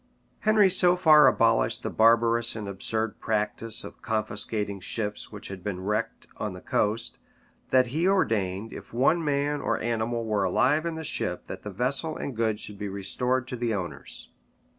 Henry so far abolished the barbarous and absurd practice of confiscating ships which had been wrecked on the coast, that he ordained if one man or animal were alive in the ship that the vessel and goods should be restored to the owners.